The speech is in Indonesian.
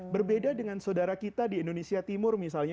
berbeda dengan saudara kita di indonesia timur misalnya